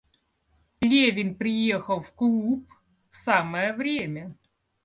Левин приехал в клуб в самое время.